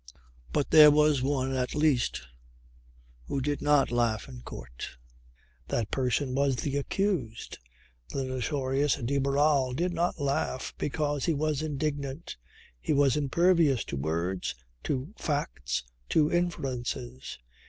But there was one at least who did not laugh in court. That person was the accused. The notorious de Barral did not laugh because he was indignant. He was impervious to words, to facts, to inferences.